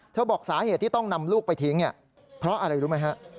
บอกสาเหตุที่ต้องนำลูกไปทิ้งเนี่ยเพราะอะไรรู้ไหมฮะ